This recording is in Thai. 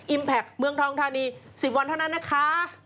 แพคเมืองทองทานี๑๐วันเท่านั้นนะคะ